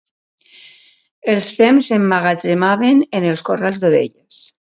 Els fems s'emmagatzemaven en els corrals d'ovelles.